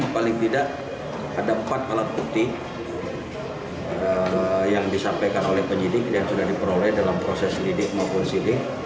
paling tidak ada empat alat bukti yang disampaikan oleh penyidik yang sudah diperoleh dalam proses lidik maupun sidik